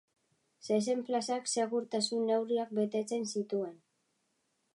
Zezen-plazak segurtasun-neurriak betetzen zituen.